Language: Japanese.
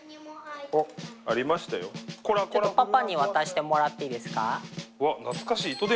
ちょっとパパに渡してもらっていいですか？